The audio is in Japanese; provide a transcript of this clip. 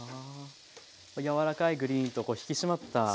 柔らかいグリーンと引き締まったグリーン。